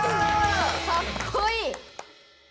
かっこいい。